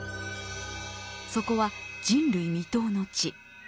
そこは人類未踏の地。